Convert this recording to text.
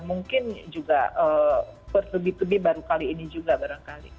mungkin juga lebih lebih baru kali ini juga barangkali